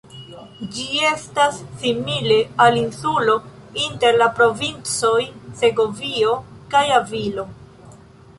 Ĝi estas simile al insulo, inter la provincoj Segovio kaj Avilo.